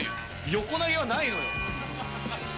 横投げはないのよ。